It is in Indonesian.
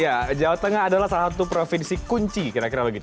ya jawa tengah adalah salah satu provinsi kunci kira kira begitu